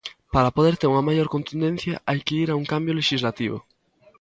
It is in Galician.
Para poder ter unha maior contundencia, hai que ir a un cambio lexislativo.